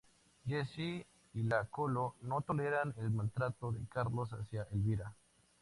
Jessie y La Colo no toleran el maltrato de Carlos hacia Elvira.